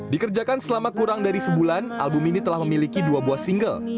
dikerjakan selama kurang dari sebulan album ini telah memiliki dua buah single